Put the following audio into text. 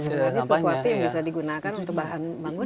sebenarnya sesuatu yang bisa digunakan untuk bahan bangunan